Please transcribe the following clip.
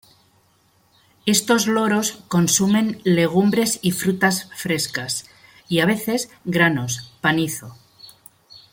Estos loros consumen legumbres y frutas frescas y, a veces, granos, panizo.